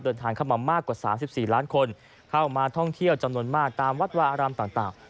เดินทางเข้ามามากกว่า๓๔ล้านคนเข้ามาท่องเที่ยวจำนวนมากตามวัดวาอารามต่าง